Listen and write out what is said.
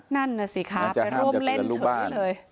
นั่นน่ะสิคะไปร่วมเล่นเฉยเลย